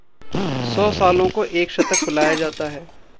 सौ सालों को एक शतक बुलाया जाता है।